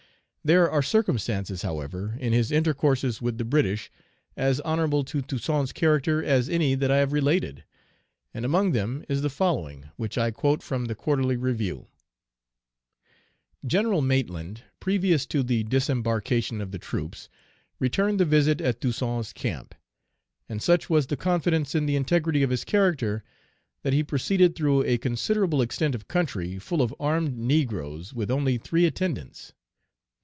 There are circumstances, however, in his intercourses with the British as honorable to Toussaint's character as any that I have related; and among them is the following, which I quote from the Quarterly Review: "General Maitland, previous to the disembarkation of the troops, returned the visit at Toussaint's camp; and such was the confidence in the integrity of his character, that he proceeded through a considerable extent of country, full of armed negroes, with only three attendants.